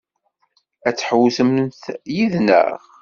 Ad ḥewwsent yid-neɣ?